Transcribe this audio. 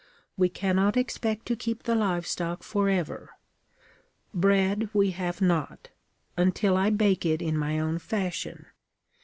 We cannot expect to keep the livestock forever. Bread we have not until I bake it in my own fashion.